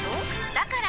だから！